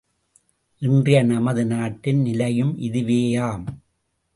இன்றைய நமது நாட்டின் நிலையும் இதுவேயாம்.